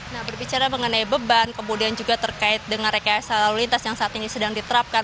nah berbicara mengenai beban kemudian juga terkait dengan rekayasa lalu lintas yang saat ini sedang diterapkan